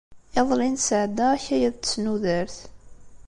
Iḍelli, nesɛedda akayad n tesnudert.